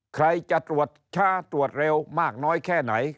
ใครจะตรวจช้าตรวจเร็วมากน้อยแค่ไหน